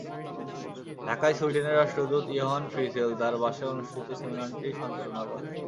ঢাকায় সুইডেনের রাষ্ট্রদূত ইয়োহান ফ্রিসেল তাঁর বাসায় অনুষ্ঠিত সেমিনারটি সঞ্চালনা করেন।